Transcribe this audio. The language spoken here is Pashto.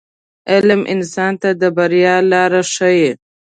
• علم انسان ته د بریا لار ښیي.